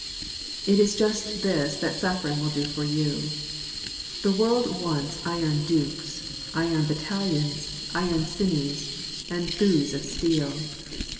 It is just this that suffering will do for you. The world wants iron dukes, iron battalions, iron sinews, and thews of steel.